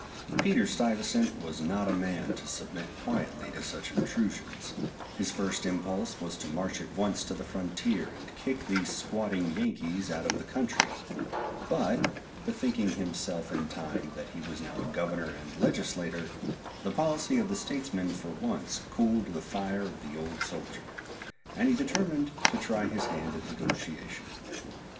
Peter Stuyvesant was not a man to submit quietly to such intrusions; his first impulse was to march at once to the frontier, and kick these squatting Yankees out of the country; but, bethinking himself in time that he was now a governor and legislator, the policy of the statesman for once cooled the fire of the old soldier, and he determined to try his hand at negotiation.